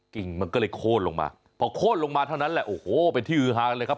กิ่งมันก็เลยโค้นลงมาพอโค้นลงมาเท่านั้นแหละโอ้โหเป็นที่ฮือฮากันเลยครับ